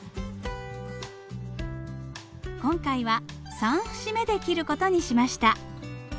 今回は３節目で切る事にしました。